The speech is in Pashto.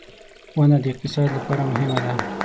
• ونه د اقتصاد لپاره مهمه ده.